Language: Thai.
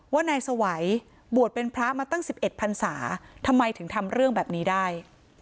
ว่านายสวัยบวชเป็นพระมาตั้ง๑๑พันศาทำไมถึงทำเรื่องแบบนี้ได้